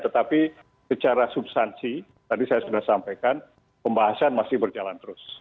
tetapi secara substansi tadi saya sudah sampaikan pembahasan masih berjalan terus